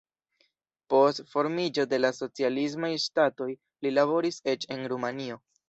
Post formiĝo de la socialismaj ŝtatoj li laboris eĉ en Rumanio.